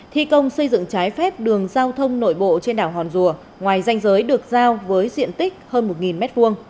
thi công xây dựng trái phép đường giao thông nội bộ trên đảo hòn rùa ngoài danh giới được giao với diện tích hơn một m hai